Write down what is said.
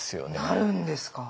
なるんですか。